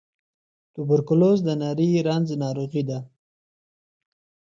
توبرکلوز د نري رنځ ناروغۍ ده.